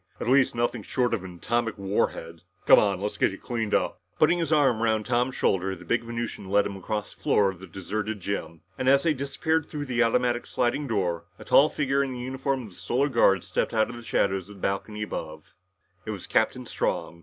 "At least, nothing short of an atomic war head! Come on. Let's get you cleaned up!" Putting his arm around Tom's shoulder, the big Venusian led him across the floor of the deserted gym, and as they disappeared through the automatic sliding doors, a tall figure in the uniform of the Solar Guard stepped out of the shadows on the balcony above. It was Captain Strong.